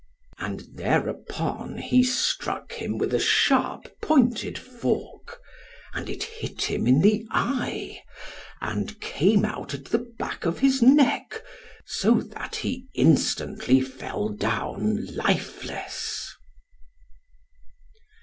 And thereupon he struck him with a sharp pointed fork, and it hit him in the eye, and came out at the back of his neck, so that he instantly fell down lifeless.